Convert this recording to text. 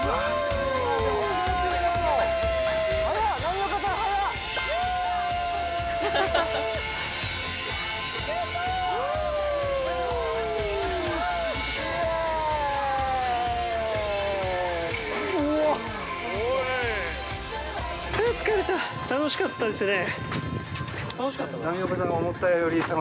◆楽しかったですね。